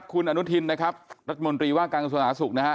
คุณอนุทินนะครับรัฐมนตรีว่าการสนาสุขนะฮะ